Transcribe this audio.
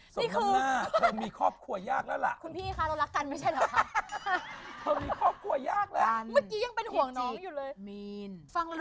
ข้างหน้าเธอมีครอบครัวยากแล้วล่ะ